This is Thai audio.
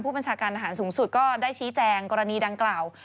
บัญชาการอาหารสูงสุดก็ได้ชี้แจงกรณีดังกล่าว